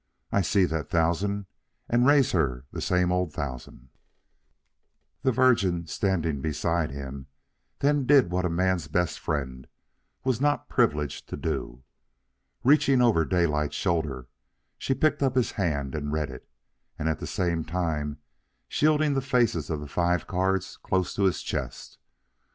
"I see that thousand and raise her the same old thousand." The Virgin, standing behind him, then did what a man's best friend was not privileged to do. Reaching over Daylight's shoulder, she picked up his hand and read it, at the same time shielding the faces of the five cards close to his chest.